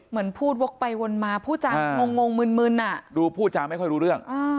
เหมือนพูดวกไปวนมาผู้จางงมึนดูพูดจาไม่ค่อยรู้เรื่อง